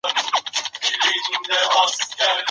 د ملکیار بابا شعر ساده او له پېچلتیا خلاص دی.